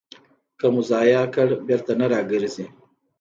که مو ضایع کړ، بېرته نه راګرځي.